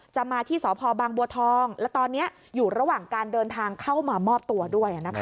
มาที่สพบางบัวทองและตอนนี้อยู่ระหว่างการเดินทางเข้ามามอบตัวด้วย